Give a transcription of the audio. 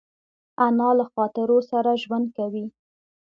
انا له خاطرو سره ژوند کوي